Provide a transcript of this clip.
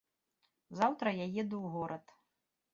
Заўтра я еду ў горад.